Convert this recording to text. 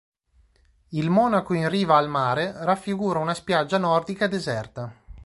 Il "Monaco in riva al mare" raffigura una spiaggia nordica deserta.